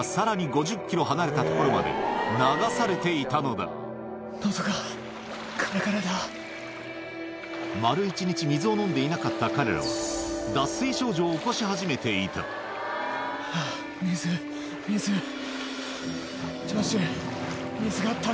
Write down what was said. だがこの時２人は丸一日水を飲んでいなかった彼らは脱水症状を起こし始めていたジョシュ。